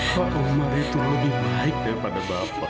pak amal itu lebih baik daripada bapak